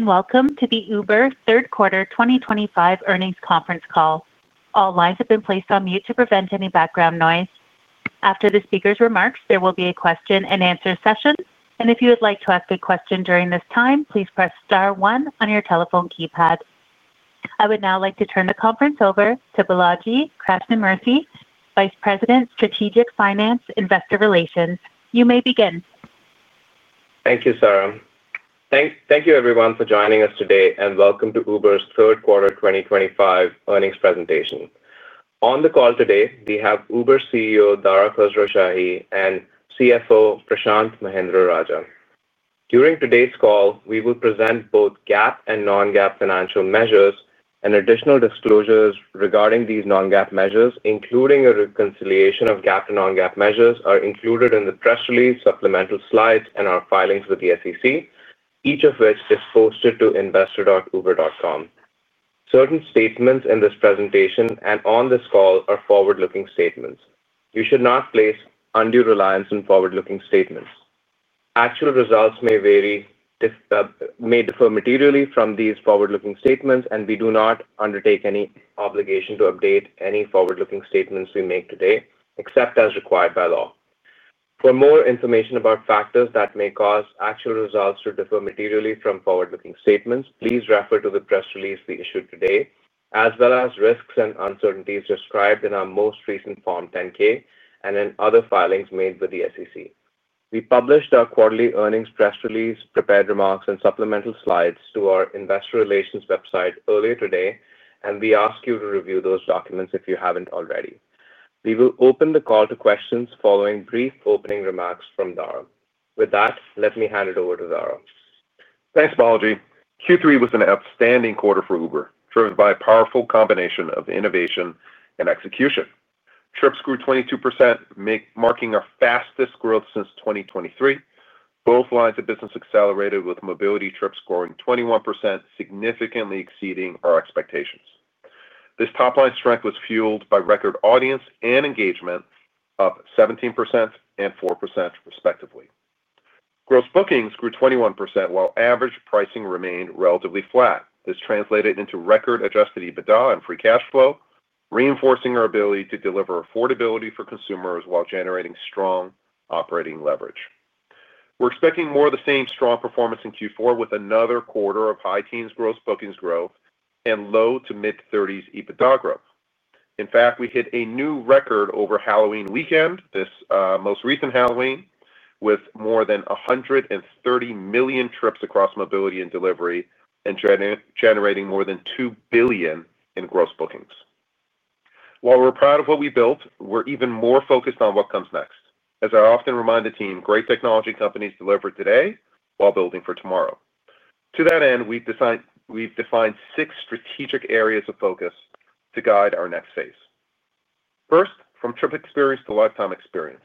Welcome to the Uber third quarter 2025 earnings conference call. All lines have been placed on mute to prevent any background noise. After the speaker's remarks, there will be a question-and-answer session, and if you would like to ask a question during this time, please press star one on your telephone keypad. I would now like to turn the conference over to Balaji Krishnamurthy, Vice President, Strategic Finance, Investor Relations. You may begin. Thank you, Sara. Thank you, everyone, for joining us today, and welcome to Uber's third quarter 2025 earnings presentation. On the call today, we have Uber CEO, Dara Khosrowshahi, and CFO, Prashanth Mahendra-Rajah. During today's call, we will present both GAAP and non-GAAP financial measures, and additional disclosures regarding these non-GAAP measures, including a reconciliation of GAAP and non-GAAP measures, are included in the press release, supplemental slides, and our filings with the SEC, each of which is posted to investor.uber.com. Certain statements in this presentation and on this call are forward-looking statements. You should not place undue reliance on forward-looking statements. Actual results may differ materially from these forward-looking statements, and we do not undertake any obligation to update any forward-looking statements we make today, except as required by law. For more information about factors that may cause actual results to differ materially from forward-looking statements, please refer to the press release we issued today, as well as risks and uncertainties described in our most recent Form 10-K and in other filings made with the SEC. We published our quarterly earnings press release, prepared remarks, and supplemental slides to our investor relations website earlier today, and we ask you to review those documents if you haven't already. We will open the call to questions following brief opening remarks from Dara. With that, let me hand it over to Dara. Thanks, Balaji. Q3 was an outstanding quarter for Uber, driven by a powerful combination of innovation and execution. Trips grew 22%, marking our fastest growth since 2023. Both lines of business accelerated, with mobility trips scoring 21%, significantly exceeding our expectations. This top-line strength was fueled by record audience and engagement of 17% and 4%, respectively. Gross bookings grew 21%, while average pricing remained relatively flat. This translated into record adjusted EBITDA and free cash flow, reinforcing our ability to deliver affordability for consumers while generating strong operating leverage. We're expecting more of the same strong performance in Q4, with another quarter of high teens gross bookings growth and low to mid-30s EBITDA growth. In fact, we hit a new record over Halloween weekend, this most recent Halloween, with more than 130 million trips across mobility and delivery generating more than $2 billion in gross bookings. While we're proud of what we built, we're even more focused on what comes next. As I often remind the team, great technology companies deliver today while building for tomorrow. To that end, we've defined six strategic areas of focus to guide our next phase. First, from trip experience to lifetime experience.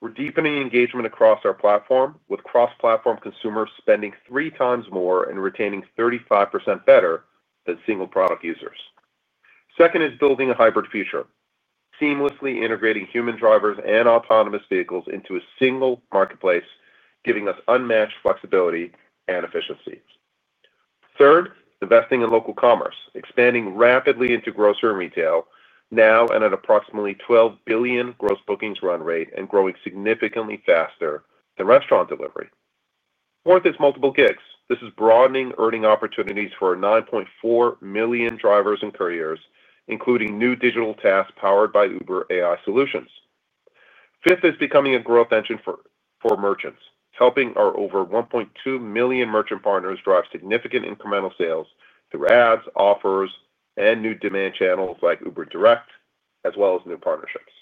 We're deepening engagement across our platform, with cross-platform consumers spending 3x more and retaining 35% better than single-product users. Second is building a hybrid future, seamlessly integrating human drivers and autonomous vehicles into a single marketplace, giving us unmatched flexibility and efficiency. Third, investing in local commerce, expanding rapidly into grocery and retail, now at an approximately $12 billion gross bookings run rate and growing significantly faster than restaurant delivery. Fourth is multiple gigs. This is broadening earning opportunities for 9.4 million drivers and couriers, including new digital tasks powered by Uber AI Solutions. Fifth is becoming a growth engine for merchants, helping our over 1.2 million merchant partners drive significant incremental sales through ads, offers, and new demand channels like Uber Direct, as well as new partnerships.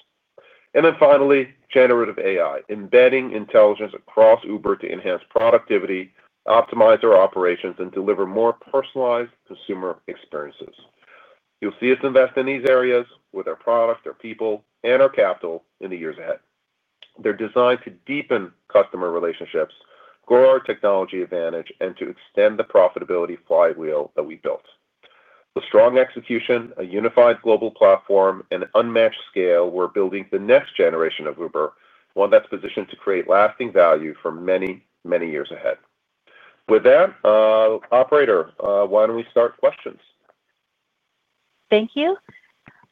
And then finally, generative AI, embedding intelligence across Uber to enhance productivity, optimize our operations, and deliver more personalized consumer experiences. You'll see us invest in these areas with our product, our people, and our capital in the years ahead. They're designed to deepen customer relationships, grow our technology advantage, and to extend the profitability flywheel that we built. With strong execution, a unified global platform, and unmatched scale, we're building the next generation of Uber, one that's positioned to create lasting value for many, many years ahead. With that, operator, why don't we start questions? Thank you.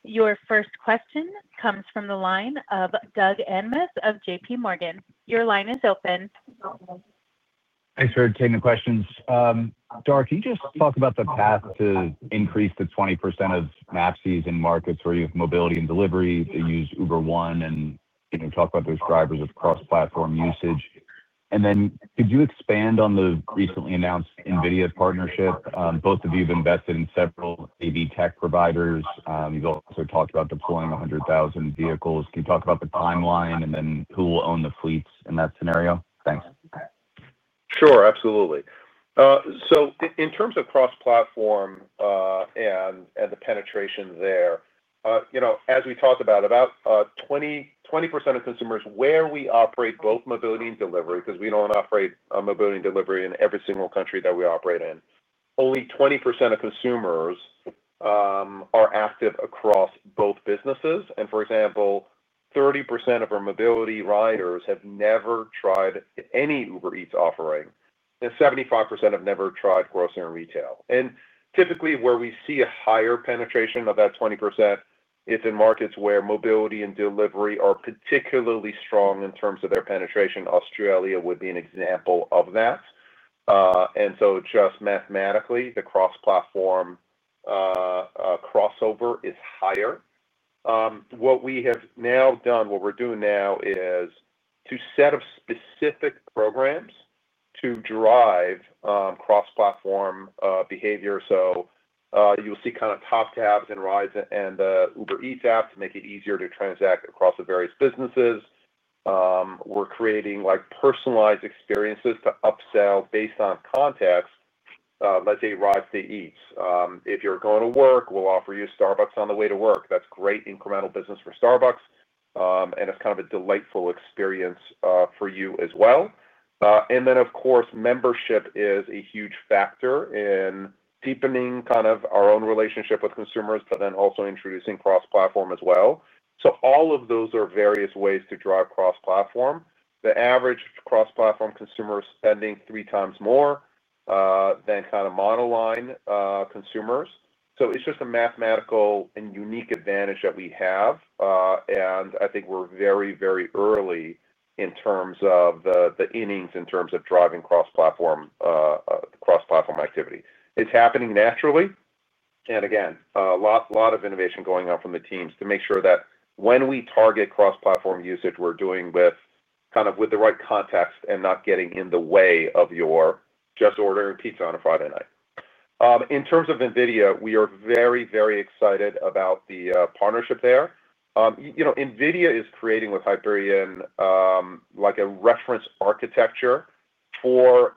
Your first question comes from the line of Doug Anmuth of JPMorgan Chase. Your line is open. Thanks for taking the questions. Dara, can you just talk about the path to increase the 20% of maps used in markets where you have mobility and delivery, to use Uber One and talk about those drivers of cross-platform usage? Could you expand on the recently announced NVIDIA partnership? Both of you have invested in several AV tech providers. You've also talked about deploying 100,000 vehicles. Can you talk about the timeline and then who will own the fleets in that scenario? Thanks. Sure, absolutely. In terms of cross-platform and the penetration there, as we talked about, about 20% of consumers where we operate both mobility and delivery, because we do not operate mobility and delivery in every single country that we operate in, only 20% of consumers are active across both businesses. For example, 30% of our mobility riders have never tried any Uber Eats offering, and 75% have never tried grocery and retail. Typically, where we see a higher penetration of that 20% is in markets where mobility and delivery are particularly strong in terms of their penetration. Australia would be an example of that. Just mathematically, the cross-platform crossover is higher. What we have now done, what we are doing now, is to set up specific programs to drive cross-platform behavior. You will see kind of top tabs in rides and the Uber Eats app to make it easier to transact across the various businesses. We are creating personalized experiences to upsell based on context, let's say rides to Eats. If you are going to work, we will offer you Starbucks on the way to work. That is great incremental business for Starbucks, and it is kind of a delightful experience for you as well. Of course, membership is a huge factor in deepening kind of our own relationship with consumers, but then also introducing cross-platform as well. All of those are various ways to drive cross-platform. The average cross-platform consumer is spending 3x more than kind of monoline consumers. It is just a mathematical and unique advantage that we have, and I think we are very, very early in terms of the innings in terms of driving cross-platform activity. It is happening naturally. Again, a lot of innovation going on from the teams to make sure that when we target cross-platform usage, we are doing it with kind of the right context and not getting in the way of your just ordering pizza on a Friday night. In terms of NVIDIA, we are very, very excited about the partnership there. NVIDIA is creating with Hyperion a reference architecture for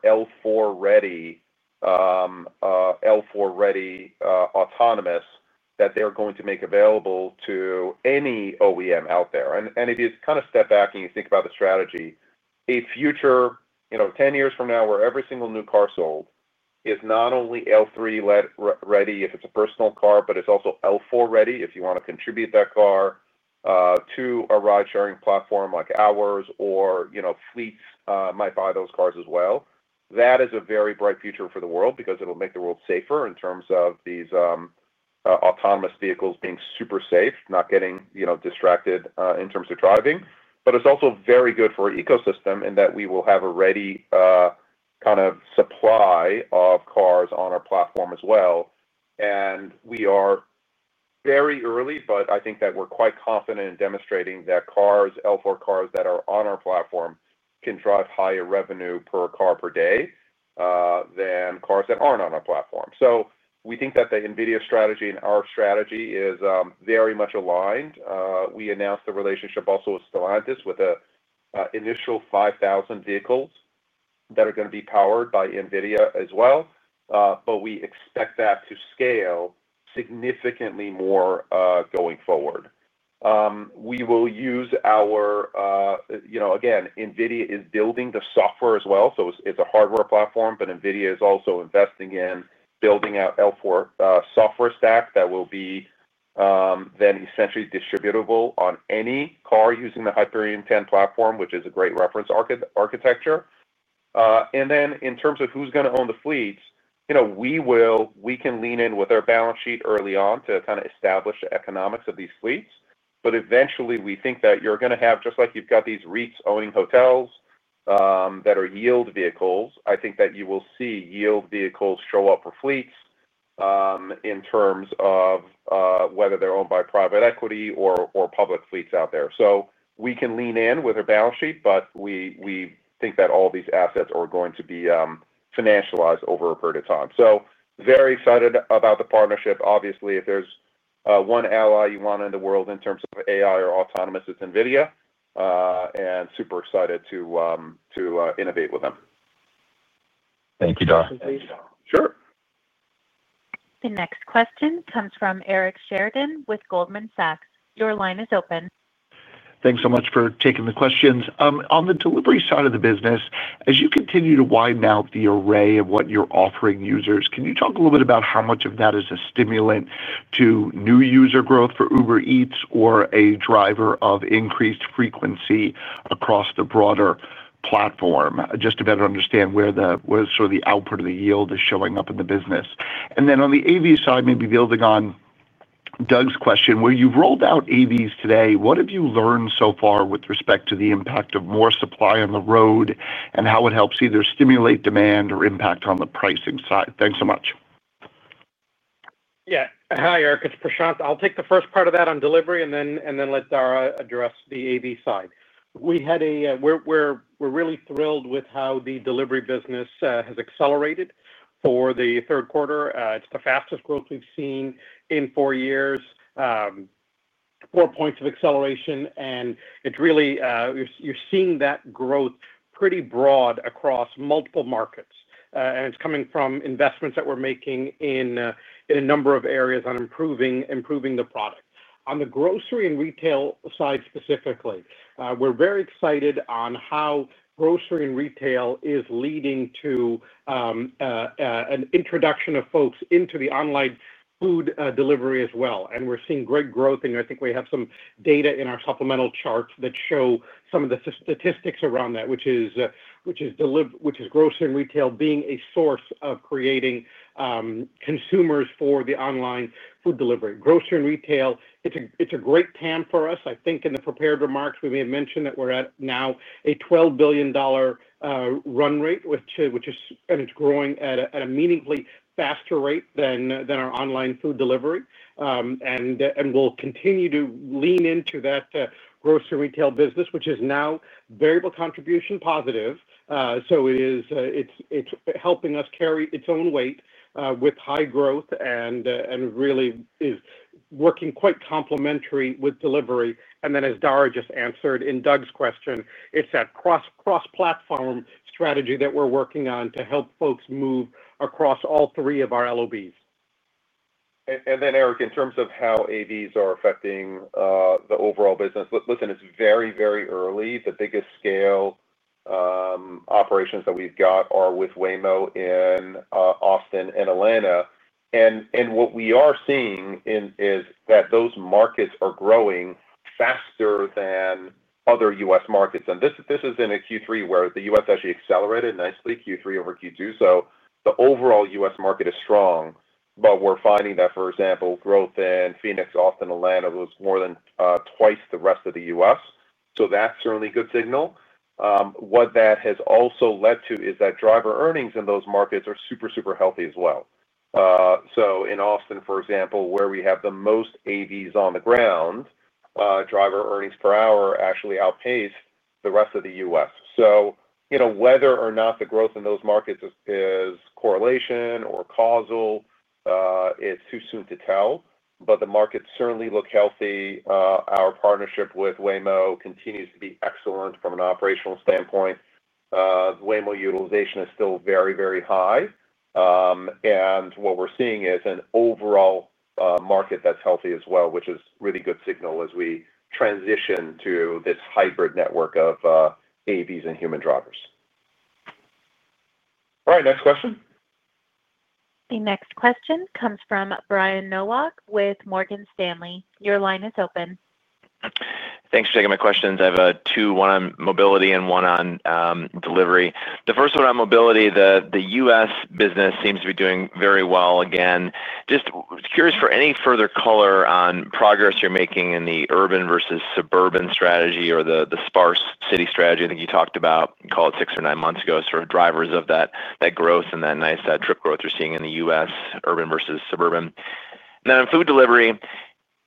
L4-ready autonomous that they are going to make available to any OEM out there. If you kind of step back and you think about the strategy, a future 10 years from now where every single new car sold is not only L3-ready if it is a personal car, but it is also L4-ready if you want to contribute that car to a ride-sharing platform like ours or fleets might buy those cars as well. That is a very bright future for the world because it will make the world safer in terms of these autonomous vehicles being super safe, not getting distracted in terms of driving. It is also very good for our ecosystem in that we will have a ready kind of supply of cars on our platform as well. We are. Very early, but I think that we're quite confident in demonstrating that L4 cars that are on our platform can drive higher revenue per car per day than cars that aren't on our platform. We think that the NVIDIA strategy and our strategy is very much aligned. We announced the relationship also with Stellantis with an initial 5,000 vehicles that are going to be powered by NVIDIA as well. We expect that to scale significantly more going forward. We will use our, again, NVIDIA is building the software as well. It is a hardware platform, but NVIDIA is also investing in building out an L4 software stack that will be then essentially distributable on any car using the Hyperion 10 platform, which is a great reference architecture. In terms of who's going to own the fleets, we can lean in with our balance sheet early on to kind of establish the economics of these fleets. Eventually, we think that you're going to have, just like you've got these REITs owning hotels that are yield vehicles, I think that you will see yield vehicles show up for fleets. In terms of whether they're owned by private equity or public fleets out there, we can lean in with our balance sheet, but we think that all these assets are going to be financialized over a period of time. Very excited about the partnership. Obviously, if there's one ally you want in the world in terms of AI or autonomous, it's NVIDIA. Super excited to innovate with them. Thank you, Dara. Sure. The next question comes from Eric Sheridan with Goldman Sachs. Your line is open. Thanks so much for taking the questions. On the delivery side of the business, as you continue to widen out the array of what you're offering users, can you talk a little bit about how much of that is a stimulant to new user growth for Uber Eats or a driver of increased frequency across the broader platform, just to better understand where sort of the output of the yield is showing up in the business? On the AV side, maybe building on Doug's question, where you've rolled out AVs today, what have you learned so far with respect to the impact of more supply on the road and how it helps either stimulate demand or impact on the pricing side? Thanks so much. Yeah. Hi, Eric. It's Prashanth. I'll take the first part of that on delivery and then let Dara address the AV side. We're really thrilled with how the delivery business has accelerated for the third quarter. It's the fastest growth we've seen in four years. Four points of acceleration. You're seeing that growth pretty broad across multiple markets. It's coming from investments that we're making in a number of areas on improving the product. On the grocery and retail side specifically, we're very excited on how grocery and retail is leading to an introduction of folks into the online food delivery as well. We're seeing great growth. I think we have some data in our supplemental charts that show some of the statistics around that, which is grocery and retail being a source of creating consumers for the online food delivery. Grocery and retail, it's a great time for us. I think in the prepared remarks, we may have mentioned that we're at now a $12 billion run rate, and it's growing at a meaningfully faster rate than our online food delivery. We'll continue to lean into that grocery and retail business, which is now variable contribution positive. It's helping us carry its own weight with high growth and really is working quite complementary with delivery. As Dara just answered in Doug's question, it's that cross-platform strategy that we're working on to help folks move across all three of our LOBs. Eric, in terms of how AVs are affecting the overall business, listen, it's very, very early. The biggest scale operations that we've got are with Waymo in Austin and Atlanta. What we are seeing is that those markets are growing faster than other U.S. markets. This is in a Q3 where the U.S. actually accelerated nicely, Q3 over Q2. The overall U.S. market is strong. We're finding that, for example, growth in Phoenix, Austin, Atlanta was more than twice the rest of the U.S. That's certainly a good signal. What that has also led to is that driver earnings in those markets are super, super healthy as well. In Austin, for example, where we have the most AVs on the ground, driver earnings per hour actually outpaced the rest of the U.S. Whether or not the growth in those markets is correlation or causal, it's too soon to tell. The markets certainly look healthy. Our partnership with Waymo continues to be excellent from an operational standpoint. Waymo utilization is still very, very high. What we're seeing is an overall market that's healthy as well, which is a really good signal as we transition to this hybrid network of AVs and human drivers. All right, next question. The next question comes from Brian Nowak with Morgan Stanley. Your line is open. Thanks for taking my questions. I have two, one on mobility and one on delivery. The first one on mobility, the U.S. business seems to be doing very well again. Just curious for any further color on progress you're making in the urban versus suburban strategy or the sparse city strategy. I think you talked about, call it six or nine months ago, sort of drivers of that growth and that nice trip growth you're seeing in the U.S., urban versus suburban. On food delivery,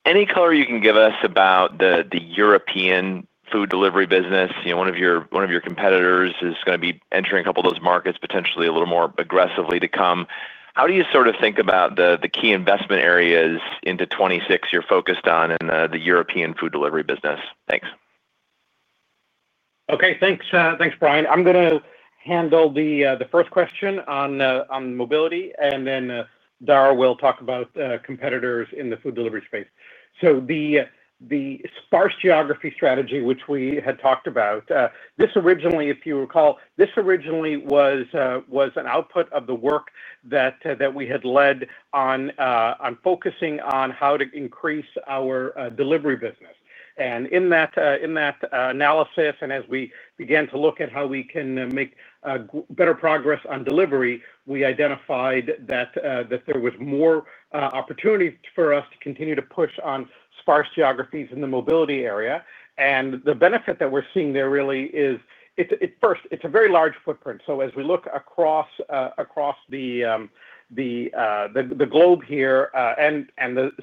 any color you can give us about the European food delivery business. One of your competitors is going to be entering a couple of those markets potentially a little more aggressively to come. How do you sort of think about the key investment areas into 2026 you're focused on in the European food delivery business? Thanks. Okay, thanks, Brian. I'm going to handle the first question on mobility, and then Dara will talk about competitors in the food delivery space. The sparse geography strategy, which we had talked about, this originally, if you recall, this originally was an output of the work that we had led on focusing on how to increase our delivery business. In that analysis, and as we began to look at how we can make better progress on delivery, we identified that there was more opportunity for us to continue to push on sparse geographies in the mobility area. The benefit that we're seeing there really is, first, it's a very large footprint. As we look across the globe here and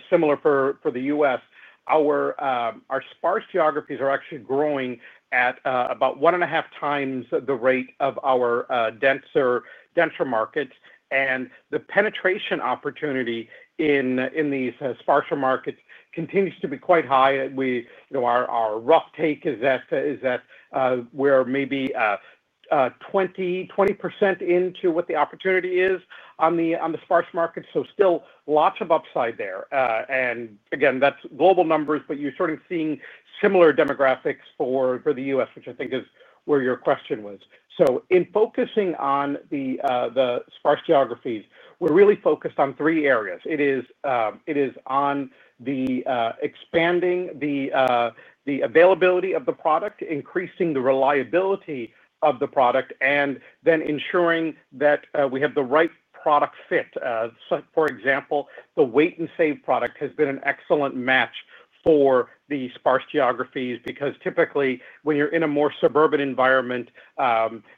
similar for the U.S., our sparse geographies are actually growing at about one and a half times the rate of our denser markets. The penetration opportunity in these sparser markets continues to be quite high. Our rough take is that we're maybe 20% into what the opportunity is on the sparse market, so still lots of upside there. Again, that's global numbers, but you're sort of seeing similar demographics for the U.S., which I think is where your question was. In focusing on the sparse geographies, we're really focused on three areas. It is on expanding the availability of the product, increasing the reliability of the product, and then ensuring that we have the right product fit. For example, the Wait & Save product has been an excellent match for the sparse geographies because typically, when you're in a more suburban environment,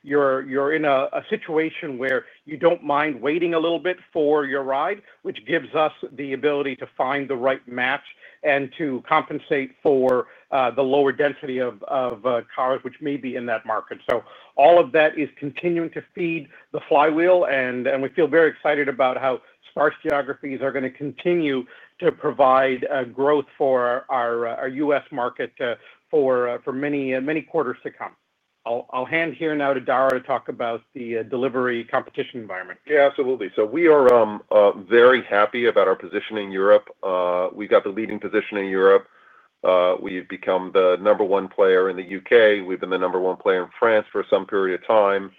you're in a situation where you don't mind waiting a little bit for your ride, which gives us the ability to find the right match and to compensate for the lower density of cars which may be in that market. All of that is continuing to feed the flywheel, and we feel very excited about how sparse geographies are going to continue to provide growth for our U.S. market for many quarters to come. I'll hand here now to Dara to talk about the delivery competition environment. Yeah, absolutely. We are very happy about our position in Europe. We got the leading position in Europe. We have become the number one player in the U.K. We have been the number one player in France for some period of time.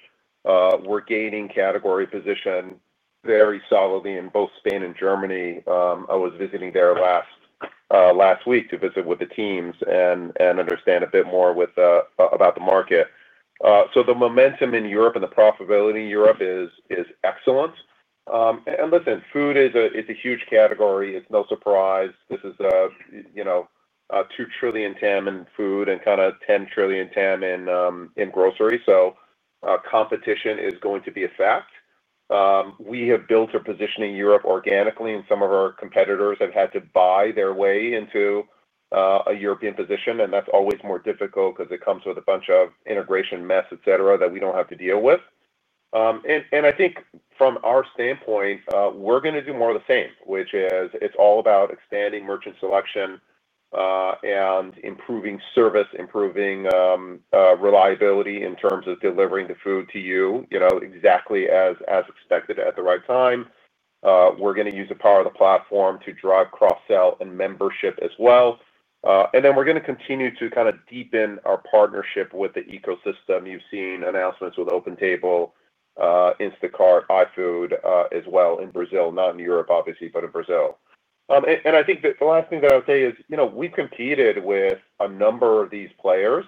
We are gaining category position very solidly in both Spain and Germany. I was visiting there last week to visit with the teams and understand a bit more about the market. The momentum in Europe and the profitability in Europe is excellent. Listen, food is a huge category. It is no surprise. This is a $2 trillion TAM in food and kind of $10 trillion TAM in groceries. Competition is going to be a fact. We have built a position in Europe organically, and some of our competitors have had to buy their way into a European position. That is always more difficult because it comes with a bunch of integration mess, etc., that we do not have to deal with. I think from our standpoint, we are going to do more of the same, which is it is all about expanding merchant selection and improving service, improving reliability in terms of delivering the food to you exactly as expected at the right time. We are going to use the power of the platform to drive cross-sell and membership as well. We are going to continue to kind of deepen our partnership with the ecosystem. You have seen announcements with OpenTable, Instacart, iFood as well in Brazil, not in Europe, obviously, but in Brazil. The last thing that I will say is we have competed with a number of these players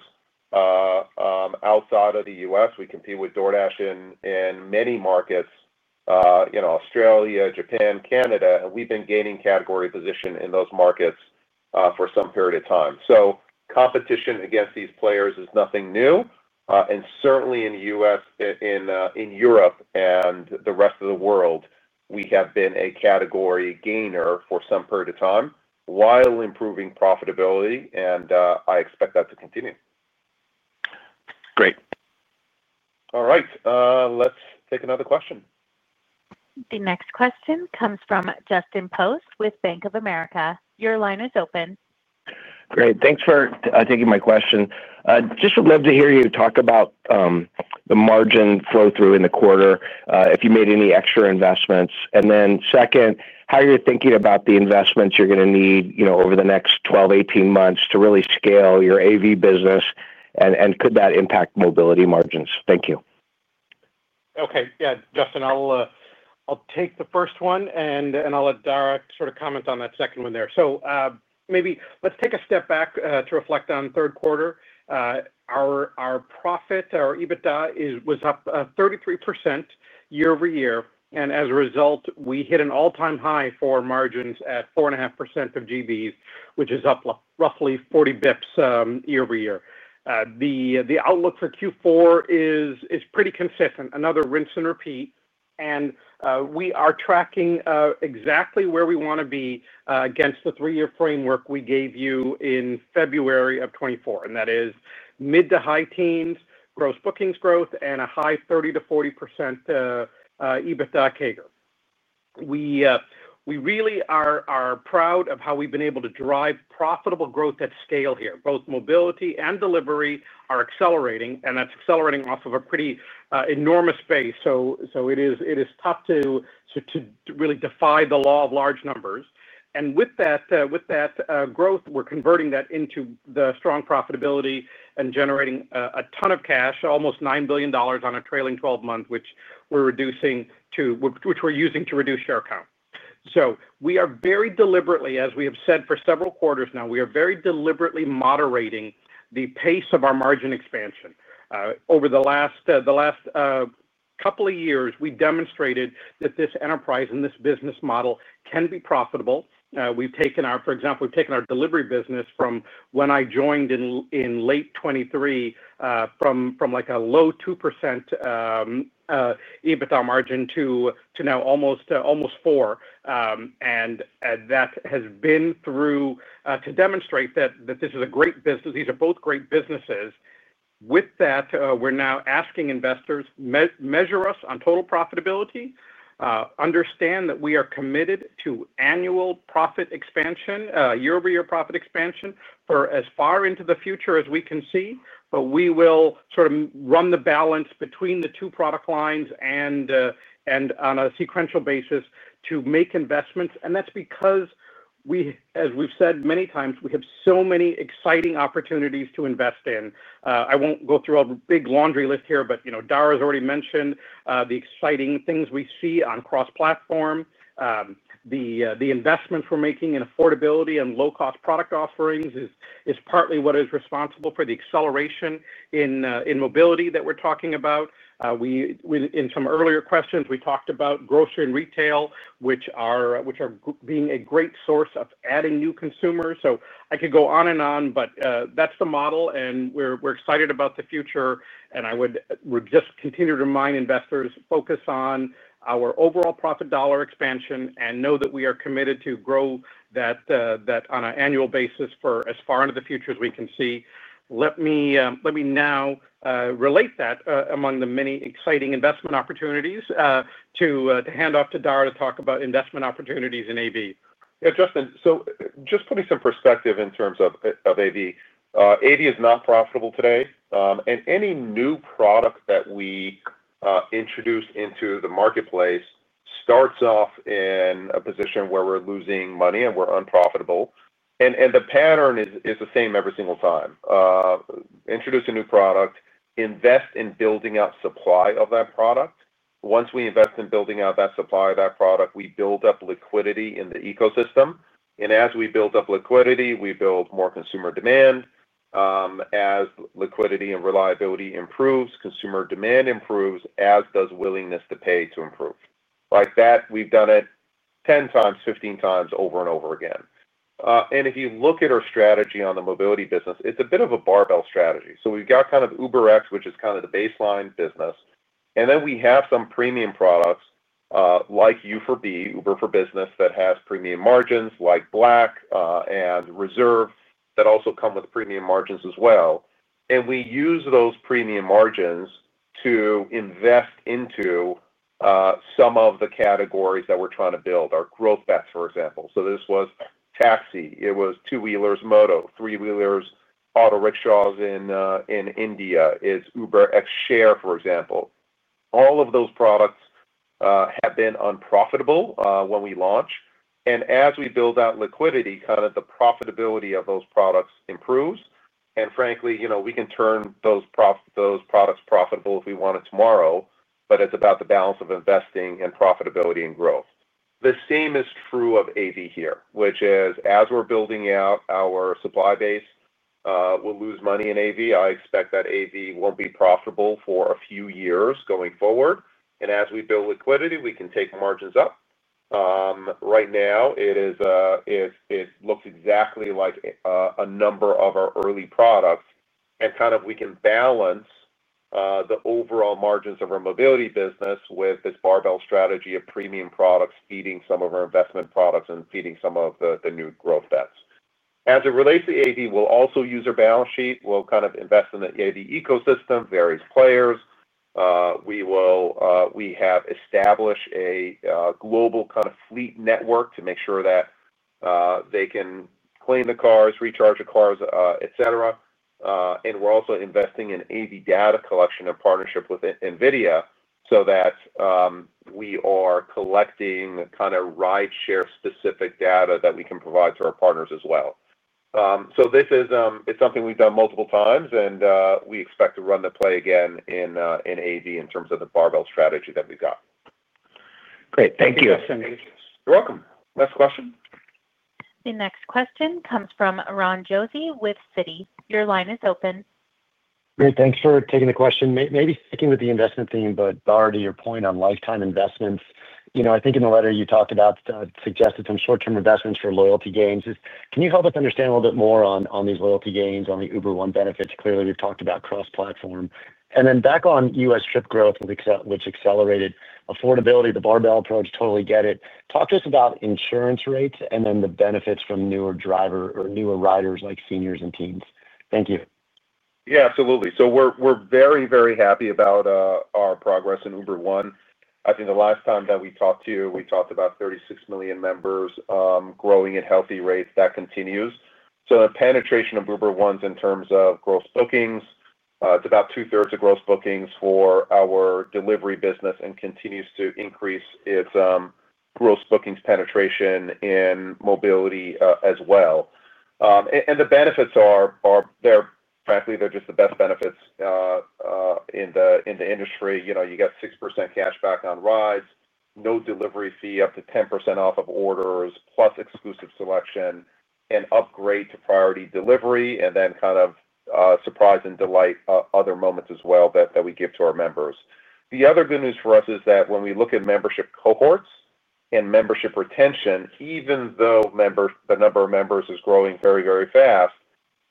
outside of the U.S. We compete with DoorDash in many markets, Australia, Japan, Canada. We have been gaining category position in those markets for some period of time. Competition against these players is nothing new. Certainly in the U.S., in Europe, and the rest of the world, we have been a category gainer for some period of time while improving profitability. I expect that to continue. Great. All right. Let's take another question. The next question comes from Justin Post with Bank of America. Your line is open. Great. Thanks for taking my question. Just would love to hear you talk about the margin flow-through in the quarter, if you made any extra investments. Then second, how you're thinking about the investments you're going to need over the next 12, 18 months to really scale your AV business. Could that impact mobility margins? Thank you. Okay. Yeah. Justin, I'll take the first one, and I'll let Dara sort of comment on that second one there. Maybe let's take a step back to reflect on third quarter. Our profit, our EBITDA, was up 33% year-over-year. As a result, we hit an all-time high for margins at 4.5% of GBs, which is up roughly 40 basis points year-over-year. The outlook for Q4 is pretty consistent, another rinse and repeat. We are tracking exactly where we want to be against the three-year framework we gave you in February of 2024. That is mid to high teens gross bookings growth, and a high 30%-40% EBITDA CAGR. We really are proud of how we've been able to drive profitable growth at scale here. Both mobility and delivery are accelerating, and that's accelerating off of a pretty enormous base. It is tough to really defy the law of large numbers. With that growth, we're converting that into the strong profitability and generating a ton of cash, almost $9 billion on a trailing 12 months, which we're using to reduce share count. We are very deliberately, as we have said for several quarters now, very deliberately moderating the pace of our margin expansion. Over the last couple of years, we demonstrated that this enterprise and this business model can be profitable. We've taken our, for example, we've taken our delivery business from when I joined in late 2023, from like a low 2% EBITDA margin to now almost 4%. That has been through to demonstrate that this is a great business. These are both great businesses. With that, we're now asking investors, measure us on total profitability, understand that we are committed to annual profit expansion, year-over-year profit expansion for as far into the future as we can see. We will sort of run the balance between the two product lines and on a sequential basis to make investments. That's because we, as we've said many times, have so many exciting opportunities to invest in. I won't go through a big laundry list here, but Dara has already mentioned the exciting things we see on cross-platform. The investments we're making in affordability and low-cost product offerings is partly what is responsible for the acceleration in mobility that we're talking about. In some earlier questions, we talked about grocery and retail, which are being a great source of adding new consumers. I could go on and on, but that's the model. We're excited about the future. I would just continue to remind investors, focus on our overall profit dollar expansion, and know that we are committed to grow that on an annual basis for as far into the future as we can see. Let me now relate that among the many exciting investment opportunities to hand off to Dara to talk about investment opportunities in AV. Yeah, Justin, just putting some perspective in terms of AV. AV is not profitable today. Any new product that we introduce into the marketplace starts off in a position where we're losing money and we're unprofitable. The pattern is the same every single time. Introduce a new product, invest in building out supply of that product. Once we invest in building out that supply of that product, we build up liquidity in the ecosystem. As we build up liquidity, we build more consumer demand. As liquidity and reliability improves, consumer demand improves, as does willingness to pay to improve. Like that, we've done it 10x, 15x over and over again. If you look at our strategy on the mobility business, it's a bit of a barbell strategy. We've got kind of UberX, which is kind of the baseline business. Then we have some premium products like U for B that has premium margins, like Black and Reserve, that also come with premium margins as well. We use those premium margins to invest into some of the categories that we're trying to build, our growth bets, for example. This was taxi, it was two-wheelers, moto, three-wheelers, auto rickshaws in India. It's UberX Share, for example. All of those products have been unprofitable when we launch. As we build out liquidity, kind of the profitability of those products improves. Frankly, we can turn those products profitable if we wanted tomorrow, but it's about the balance of investing and profitability and growth. The same is true of AV here, which is as we're building out our supply base, we'll lose money in AV. I expect that AV won't be profitable for a few years going forward. As we build liquidity, we can take margins up. Right now, it looks exactly like a number of our early products. We can balance the overall margins of our mobility business with this barbell strategy of premium products feeding some of our investment products and feeding some of the new growth bets. As it relates to AV, we'll also use our balance sheet. We'll kind of invest in the AV ecosystem, various players. We have established a global kind of fleet network to make sure that they can clean the cars, recharge the cars, etc. We're also investing in AV data collection and partnership with NVIDIA so that we are collecting kind of rideshare-specific data that we can provide to our partners as well. It's something we've done multiple times, and we expect to run the play again in AV in terms of the barbell strategy that we've got. Great. Thank you. You're welcome. Next question. The next question comes from Ron Josey with Citi. Your line is open. Great. Thanks for taking the question. Maybe sticking with the investment theme, but Dara, to your point on lifetime investments, I think in the letter you talked about, suggested some short-term investments for loyalty gains. Can you help us understand a little bit more on these loyalty gains, on the Uber One benefits? Clearly, we've talked about cross-platform. Back on U.S. trip growth, which accelerated affordability, the barbell approach, totally get it. Talk to us about insurance rates and then the benefits from newer drivers or newer riders like seniors and teens. Thank you. Yeah, absolutely. So we're very, very happy about our progress in Uber One. I think the last time that we talked to you, we talked about 36 million members growing at healthy rates. That continues. The penetration of Uber One in terms of gross bookings, it's about 2/3 of gross bookings for our delivery business and continues to increase its gross bookings penetration in mobility as well. The benefits are, frankly, they're just the best benefits in the industry. You get 6% cash back on rides, no delivery fee, up to 10% off of orders, plus exclusive selection and upgrade to priority delivery, and then kind of surprise and delight other moments as well that we give to our members. The other good news for us is that when we look at membership cohorts and membership retention, even though the number of members is growing very, very fast,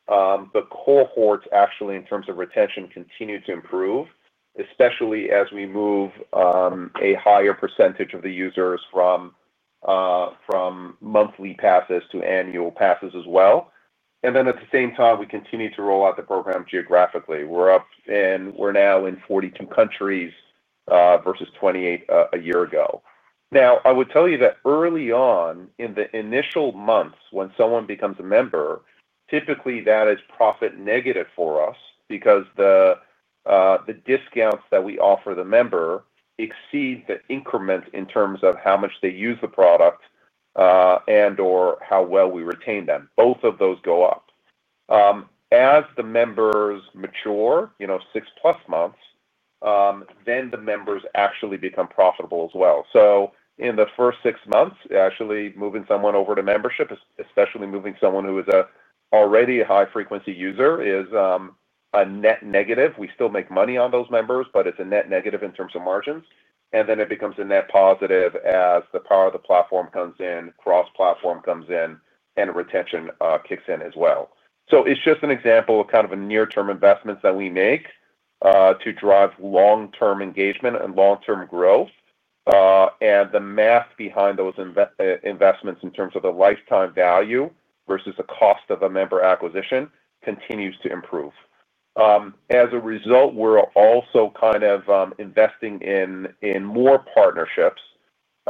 the cohorts actually, in terms of retention, continue to improve, especially as we move a higher percentage of the users from monthly passes to annual passes as well. At the same time, we continue to roll out the program geographically. We're now in 42 countries versus 28 a year ago. I would tell you that early on, in the initial months when someone becomes a member, typically that is profit negative for us because the discounts that we offer the member exceed the increments in terms of how much they use the product and/or how well we retain them. Both of those go up as the members mature, six-plus months. Then the members actually become profitable as well. In the first six months, actually moving someone over to membership, especially moving someone who is already a high-frequency user, is a net negative. We still make money on those members, but it's a net negative in terms of margins. It becomes a net positive as the power of the platform comes in, cross-platform comes in, and retention kicks in as well. It is just an example of kind of a near-term investment that we make to drive long-term engagement and long-term growth. The math behind those investments in terms of the lifetime value versus the cost of a member acquisition continues to improve. As a result, we're also kind of investing in more partnerships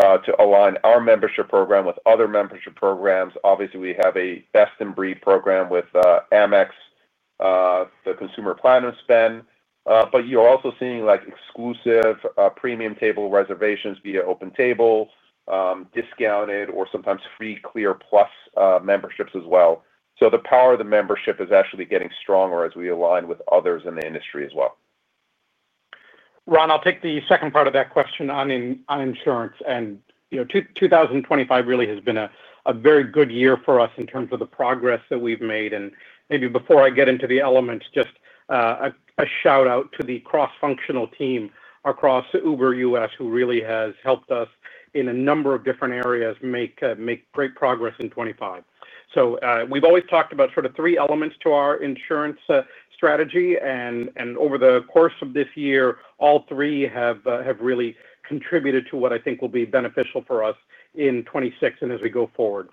to align our membership program with other membership programs. Obviously, we have a best-in-breed program with Amex, the consumer Platinum Spend. You're also seeing exclusive premium table reservations via OpenTable, discounted or sometimes free Clear Plus memberships as well. The power of the membership is actually getting stronger as we align with others in the industry as well. Ron, I'll take the second part of that question on insurance. 2025 really has been a very good year for us in terms of the progress that we've made. Maybe before I get into the elements, just a shout-out to the cross-functional team across Uber US, who really has helped us in a number of different areas make great progress in 2025. We've always talked about sort of three elements to our insurance strategy. Over the course of this year, all three have really contributed to what I think will be beneficial for us in 2026 and as we go forward.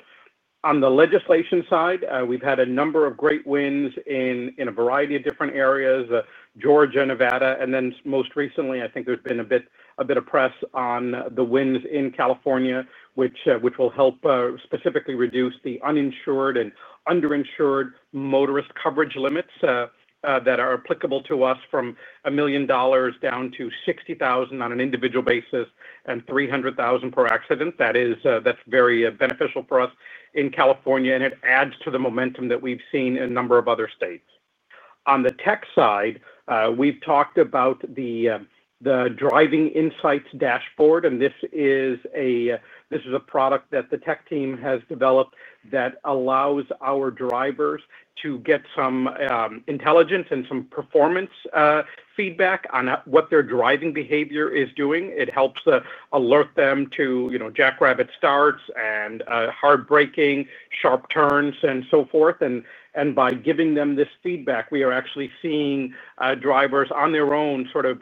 On the legislation side, we've had a number of great wins in a variety of different areas, Georgia, Nevada, and then most recently, I think there's been a bit of press on the wins in California, which will help specifically reduce the uninsured and underinsured motorist coverage limits that are applicable to us from $1 million down to $60,000 on an individual basis and $300,000 per accident. That's very beneficial for us in California, and it adds to the momentum that we've seen in a number of other states. On the tech side, we've talked about the Driving Insights dashboard, and this is a product that the tech team has developed that allows our drivers to get some intelligence and some performance feedback on what their driving behavior is doing. It helps alert them to jackrabbit starts and hard braking, sharp turns, and so forth. By giving them this feedback, we are actually seeing drivers on their own sort of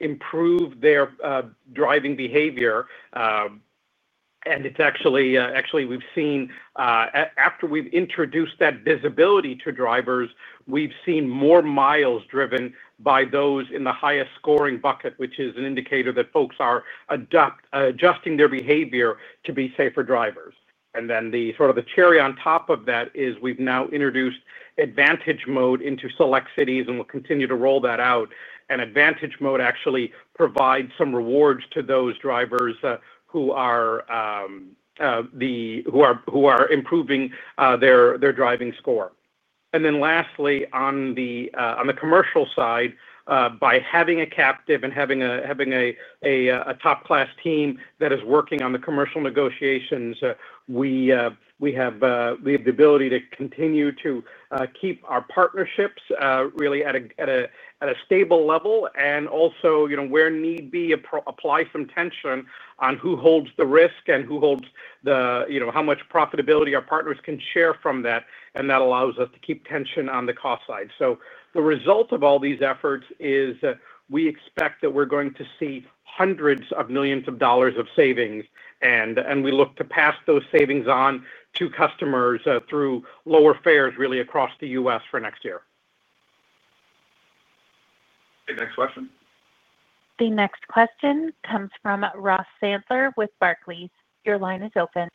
improve their driving behavior. Actually, we've seen after we've introduced that visibility to drivers, we've seen more miles driven by those in the highest scoring bucket, which is an indicator that folks are adjusting their behavior to be safer drivers. The cherry on top of that is we've now introduced advantage mode into select cities, and we'll continue to roll that out. Advantage mode actually provides some rewards to those drivers who are improving their driving score. Lastly, on the commercial side, by having a captive and having a top-class team that is working on the commercial negotiations, we have the ability to continue to keep our partnerships really at a stable level and also, where need be, apply some tension on who holds the risk and how much profitability our partners can share from that. That allows us to keep tension on the cost side. The result of all these efforts is we expect that we're going to see hundreds of millions of dollars of savings. We look to pass those savings on to customers through lower fares really across the US for next year. Next question. The next question comes from Ross Sandler with Bernstein. Your line is open.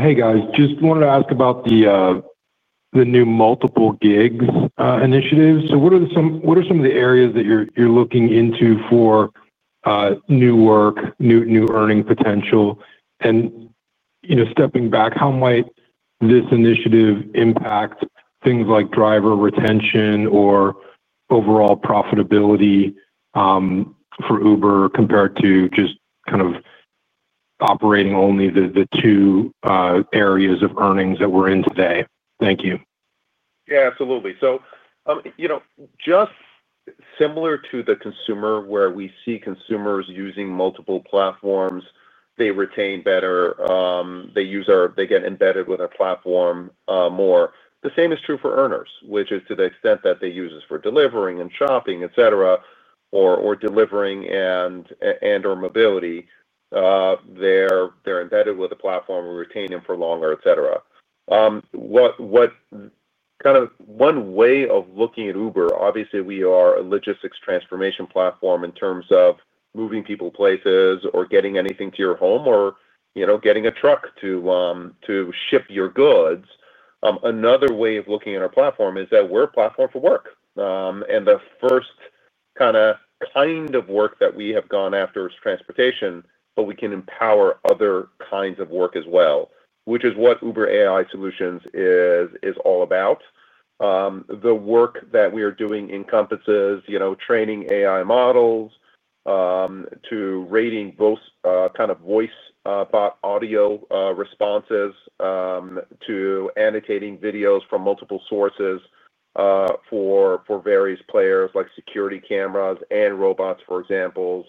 Hey, guys. Just wanted to ask about the new multiple gigs initiative. What are some of the areas that you're looking into for new work, new earning potential? Stepping back, how might this initiative impact things like driver retention or overall profitability for Uber compared to just kind of operating only the two areas of earnings that we're in today? Thank you. Yeah, absolutely. Just similar to the consumer where we see consumers using multiple platforms, they retain better. They get embedded with a platform more. The same is true for earners, which is to the extent that they use it for delivering and shopping, etc., or delivering and/or mobility. They're embedded with a platform, retain them for longer, etc. Kind of one way of looking at Uber, obviously, we are a logistics transformation platform in terms of moving people places or getting anything to your home or getting a truck to ship your goods. Another way of looking at our platform is that we're a platform for work. The first kind of work that we have gone after is transportation, but we can empower other kinds of work as well, which is what Uber AI Solutions is all about. The work that we are doing encompasses training AI models to rating both kind of voice audio responses to annotating videos from multiple sources for various players like security cameras and robots, for example,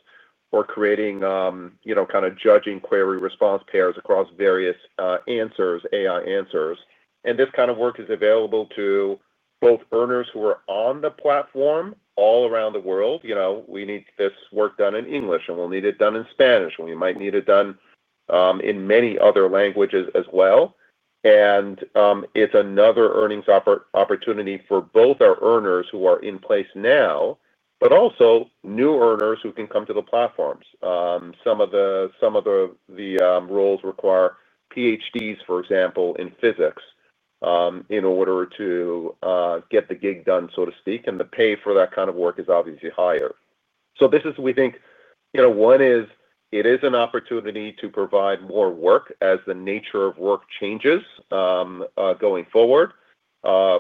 or creating kind of judging query response pairs across various AI answers. This kind of work is available to both earners who are on the platform all around the world. We need this work done in English, and we'll need it done in Spanish, and we might need it done in many other languages as well. It's another earnings opportunity for both our earners who are in place now, but also new earners who can come to the platforms. Some of the roles require PhDs, for example, in physics in order to get the gig done, so to speak. The pay for that kind of work is obviously higher. This is, we think, one is it is an opportunity to provide more work as the nature of work changes going forward.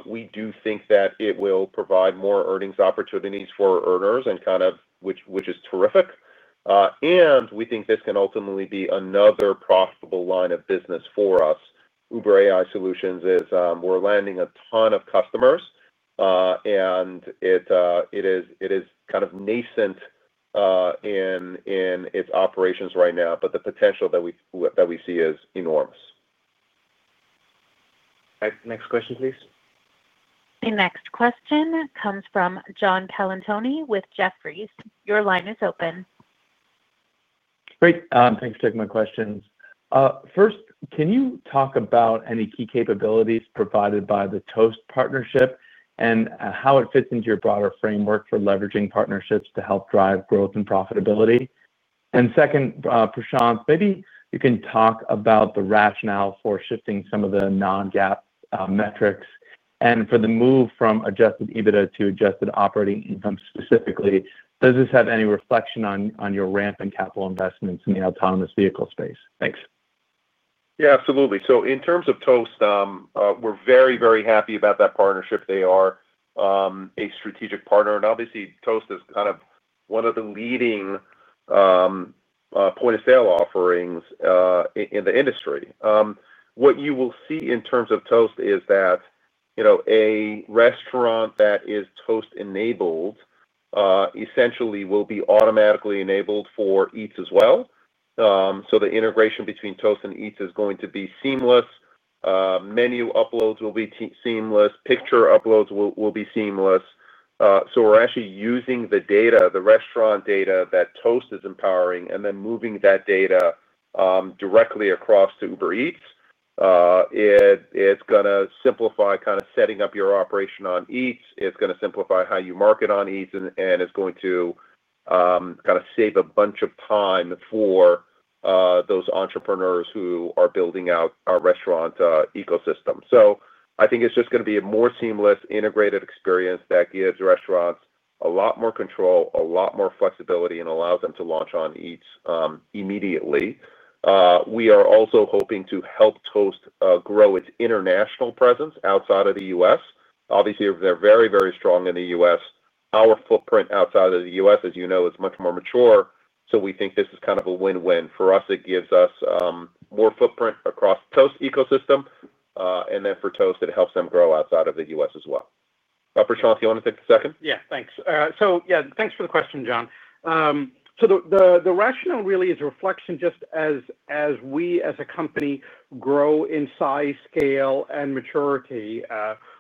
We do think that it will provide more earnings opportunities for earners, which is terrific. We think this can ultimately be another profitable line of business for us. Uber AI Solutions is we're landing a ton of customers. It is kind of nascent in its operations right now, but the potential that we see is enormous. Next question, please. The next question comes from John Pellantoni with Jefferies. Your line is open. Great. Thanks for taking my questions. First, can you talk about any key capabilities provided by the Toast partnership and how it fits into your broader framework for leveraging partnerships to help drive growth and profitability? Second, Prashanth, maybe you can talk about the rationale for shifting some of the non-GAAP metrics and for the move from adjusted EBITDA to adjusted operating income specifically. Does this have any reflection on your ramp and capital investments in the autonomous vehicle space? Thanks. Yeah, absolutely. In terms of Toast, we're very, very happy about that partnership. They are a strategic partner. Obviously, Toast is kind of one of the leading point of sale offerings in the industry. What you will see in terms of Toast is that a restaurant that is Toast-enabled essentially will be automatically enabled for Eats as well. The integration between Toast and Eats is going to be seamless. Menu uploads will be seamless. Picture uploads will be seamless. We're actually using the data, the restaurant data that Toast is empowering, and then moving that data directly across to Uber Eats. It's going to simplify kind of setting up your operation on Eats. It's going to simplify how you market on Eats, and it's going to kind of save a bunch of time for those entrepreneurs who are building out our restaurant ecosystem. I think it's just going to be a more seamless, integrated experience that gives restaurants a lot more control, a lot more flexibility, and allows them to launch on Eats immediately. We are also hoping to help Toast grow its international presence outside of the U.S. Obviously, they're very, very strong in the U.S. Our footprint outside of the U.S., as you know, is much more mature. We think this is kind of a win-win. For us, it gives us more footprint across the Toast ecosystem. For Toast, it helps them grow outside of the U.S. as well. Prashanth, you want to take the second? Yeah, thanks. Yeah, thanks for the question, John. The rationale really is a reflection just as we as a company grow in size, scale, and maturity,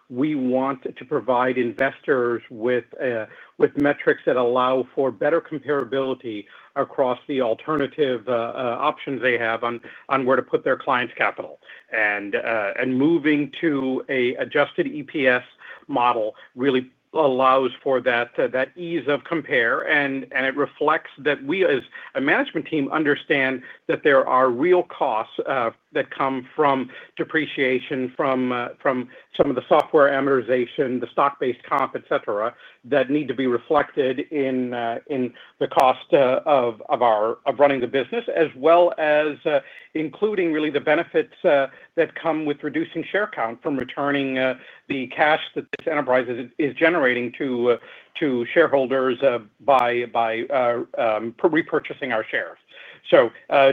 we want to provide investors with metrics that allow for better comparability across the alternative options they have on where to put their clients' capital. Moving to an adjusted EPS model really allows for that ease of compare. It reflects that we, as a management team, understand that there are real costs that come from depreciation, from some of the software amortization, the stock-based comp, etc., that need to be reflected in the cost of running the business, as well as including really the benefits that come with reducing share count from returning the cash that this enterprise is generating to shareholders by repurchasing our shares.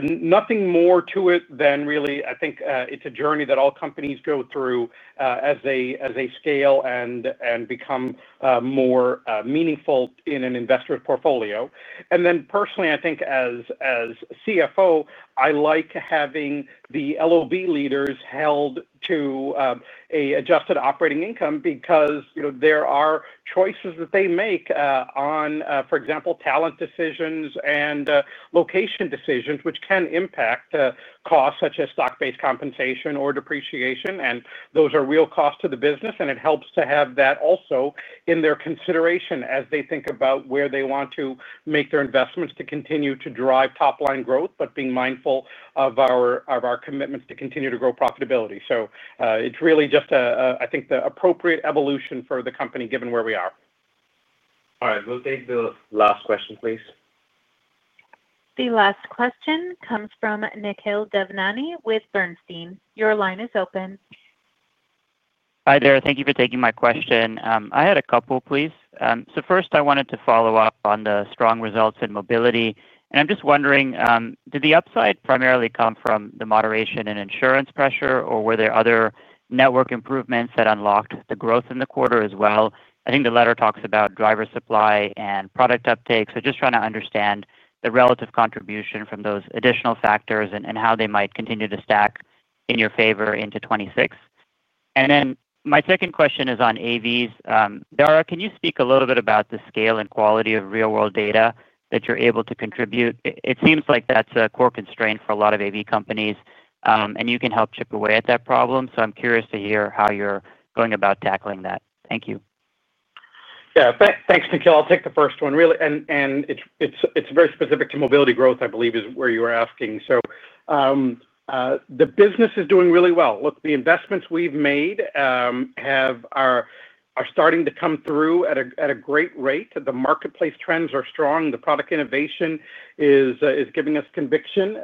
Nothing more to it than really, I think it's a journey that all companies go through as they scale and become more meaningful in an investor's portfolio. Personally, I think as CFO, I like having the LOB leaders held to an adjusted operating income because there are choices that they make on, for example, talent decisions and location decisions, which can impact costs such as stock-based compensation or depreciation. Those are real costs to the business. It helps to have that also in their consideration as they think about where they want to make their investments to continue to drive top-line growth, but being mindful of our commitments to continue to grow profitability. It's really just, I think, the appropriate evolution for the company given where we are. All right. We'll take the last question, please. The last question comes from Nikhil Devnani with Bernstein. Your line is open. Hi there. Thank you for taking my question. I had a couple, please. First, I wanted to follow up on the strong results in mobility. I'm just wondering, did the upside primarily come from the moderation in insurance pressure, or were there other network improvements that unlocked the growth in the quarter as well? I think the letter talks about driver supply and product uptake. I'm just trying to understand the relative contribution from those additional factors and how they might continue to stack in your favor into 2026. My second question is on AVs. Dara, can you speak a little bit about the scale and quality of real-world data that you're able to contribute? It seems like that's a core constraint for a lot of AV companies, and you can help chip away at that problem. I'm curious to hear how you're going about tackling that. Thank you. Yeah. Thanks, Nikhil. I'll take the first one. And it's very specific to mobility growth, I believe, is where you were asking. The business is doing really well. Look, the investments we've made are starting to come through at a great rate. The marketplace trends are strong. The product innovation is giving us conviction.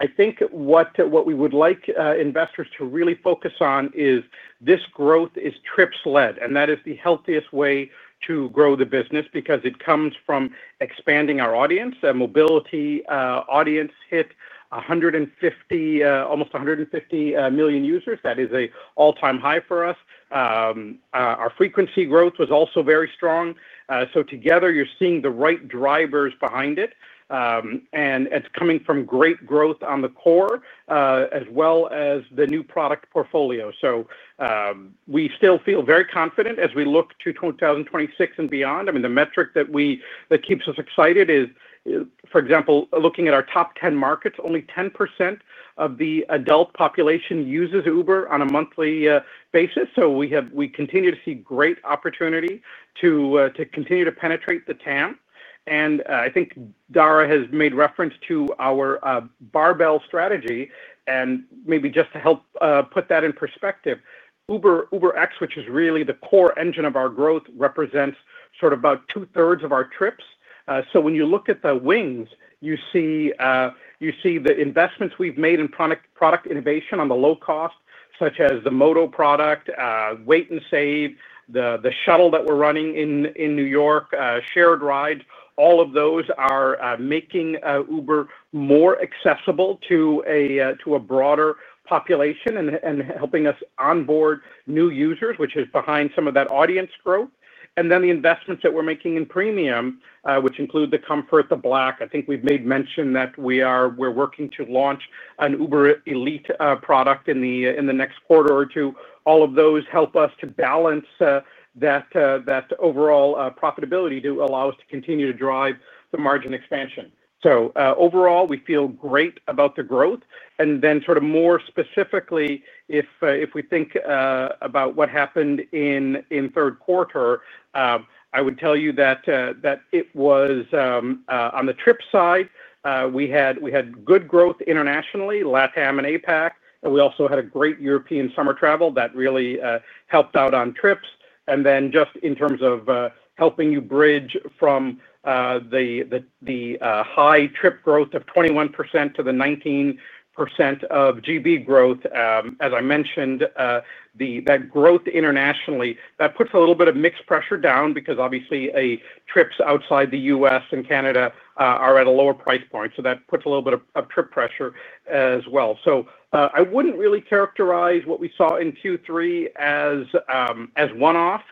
I think what we would like investors to really focus on is this growth is trips-led. That is the healthiest way to grow the business because it comes from expanding our audience. Mobility audience hit almost 150 million users. That is an all-time high for us. Our frequency growth was also very strong. Together, you're seeing the right drivers behind it. It's coming from great growth on the core as well as the new product portfolio. We still feel very confident as we look to 2026 and beyond. I mean, the metric that keeps us excited is, for example, looking at our top 10 markets, only 10% of the adult population uses Uber on a monthly basis. We continue to see great opportunity to continue to penetrate the TAM. I think Dara has made reference to our barbell strategy. Maybe just to help put that in perspective, UberX, which is really the core engine of our growth, represents sort of about two-thirds of our trips. When you look at the wings, you see the investments we've made in product innovation on the low cost, such as the Moto product, Wait & Save, the shuttle that we're running in New York, Shared Ride, all of those are making Uber more accessible to a broader population and helping us onboard new users, which is behind some of that audience growth. The investments that we're making in premium, which include the Comfort, the Black. I think we've made mention that we're working to launch an Uber Elite product in the next quarter or two. All of those help us to balance that overall profitability to allow us to continue to drive the margin expansion. Overall, we feel great about the growth. More specifically, if we think about what happened in third quarter, I would tell you that it was on the trip side. We had good growth internationally, LATAM and APAC. We also had a great European summer travel that really helped out on trips. In terms of helping you bridge from the high trip growth of 21% to the 19% of GB growth, as I mentioned, that growth internationally, that puts a little bit of mixed pressure down because obviously trips outside the U.S. and Canada are at a lower price point. That That puts a little bit of trip pressure as well. I wouldn't really characterize what we saw in Q3 as one-off.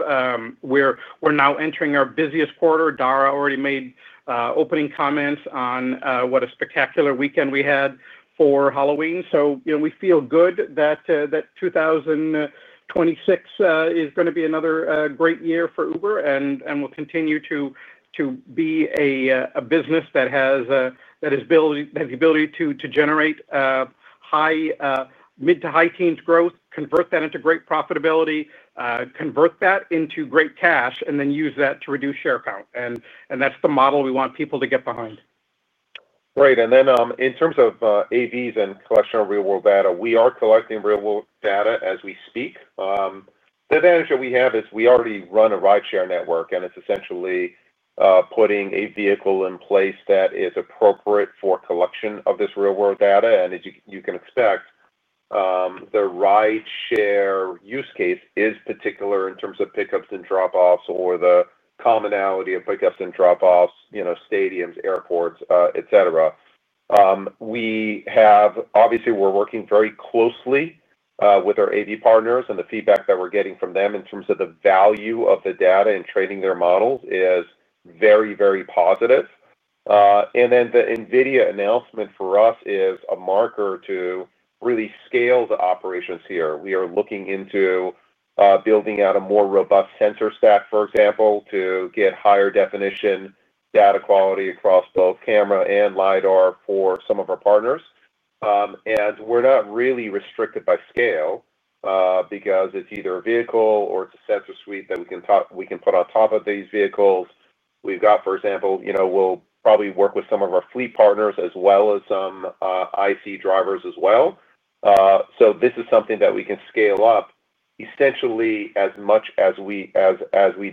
We're now entering our busiest quarter. Dara already made opening comments on what a spectacular weekend we had for Halloween. We feel good that 2026 is going to be another great year for Uber and will continue to be a business that has the ability to generate high, mid to high teens growth, convert that into great profitability, convert that into great cash, and then use that to reduce share count. That's the model we want people to get behind. Right. In terms of AVs and collection of real-world data, we are collecting real-world data as we speak. The advantage that we have is we already run a rideshare network, and it is essentially putting a vehicle in place that is appropriate for collection of this real-world data. As you can expect, the rideshare use case is particular in terms of pickups and drop-offs or the commonality of pickups and drop-offs, stadiums, airports, etc. Obviously, we are working very closely with our AV partners, and the feedback that we are getting from them in terms of the value of the data and training their models is very, very positive. The NVIDIA announcement for us is a marker to really scale the operations here. We are looking into building out a more robust sensor stack, for example, to get higher definition data quality across both camera and LiDAR for some of our partners. We are not really restricted by scale because it is either a vehicle or it is a sensor suite that we can put on top of these vehicles. We have got, for example, we will probably work with some of our fleet partners as well as some IC drivers as well. This is something that we can scale up essentially as much as we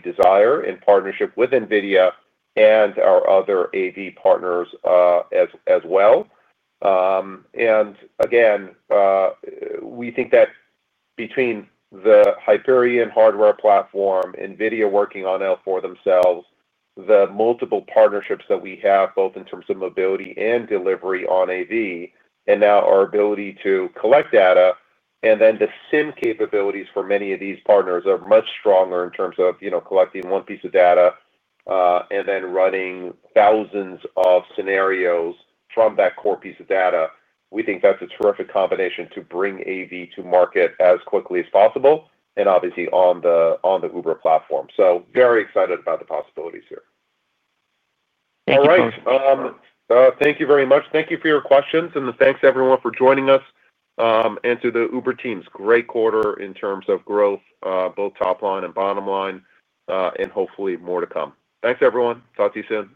desire in partnership with NVIDIA and our other AV partners as well. We think that between the Hyperion hardware platform, NVIDIA working on L4 themselves, the multiple partnerships that we have, both in terms of mobility and delivery on AV, and now our ability to collect data, and then the SIM capabilities for many of these partners are much stronger in terms of collecting one piece of data and then running thousands of scenarios from that core piece of data. We think that is a terrific combination to bring AV to market as quickly as possible and obviously on the Uber platform. Very excited about the possibilities here. All right. Thank you very much. Thank you for your questions. Thanks, everyone, for joining us. To the Uber teams, great quarter in terms of growth, both top line and bottom line, and hopefully more to come. Thanks, everyone. Talk to you soon.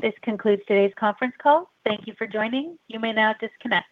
This concludes today's conference call. Thank you for joining. You may now disconnect.